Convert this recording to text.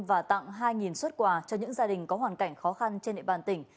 và tặng hai xuất quà cho những gia đình có hoàn cảnh khó khăn trên địa bàn tỉnh